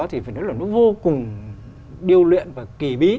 thì phải nói là nó vô cùng điêu luyện và kỳ bí